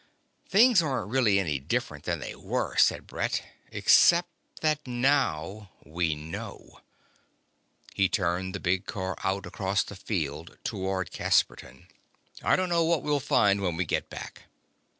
"Things aren't really any different than they were," said Brett, "... except that now we know." He turned the big car out across the field toward Casperton. "I don't know what we'll find when we get back.